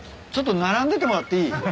ちょっと並んでてもらっていい？